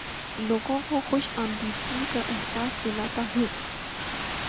لوگوں کو خوش آمدیدگی کا احساس دلاتا ہوں